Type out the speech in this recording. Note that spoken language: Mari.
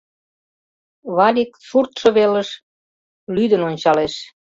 — Валик суртшо велыш лӱдын ончалеш.